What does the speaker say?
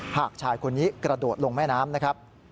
หากชายคนนี้กระโดดลงแม่น้ำนะครับ